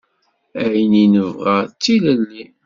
Ayen i nebɣa d tilelli.